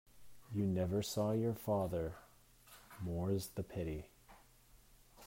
You never saw your father, more's the pity.